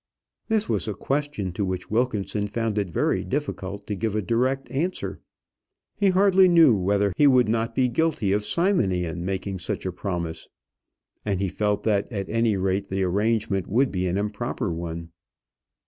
This was a question to which Wilkinson found it very difficult to give a direct answer. He hardly knew whether he would not be guilty of simony in making such a promise, and he felt that at any rate the arrangement would be an improper one.